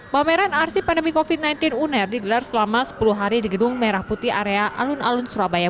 pameran arsip pandemi kofit sembilan belas uner digelar selama sepuluh hari di gedung merah putih area alun alun surabaya